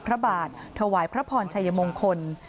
พระบาทถวายพระพรชัยมงคล